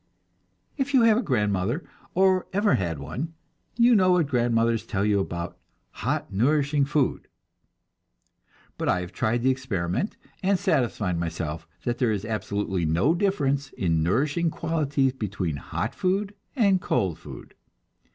If you have a grandmother, or ever had one, you know what grandmothers tell you about "hot nourishing food"; but I have tried the experiment, and satisfied myself that there is absolutely no difference in nourishing qualities between hot food and cold food.